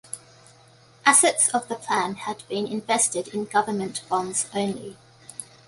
Assets of the plan had been invested in government bonds only.